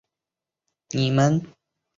妳们喜欢就好